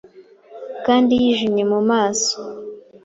kandi yijimye mu maso,